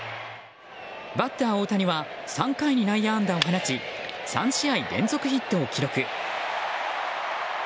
バッター大谷は３回に内野安打を放ち３試合連続ヒットを記録。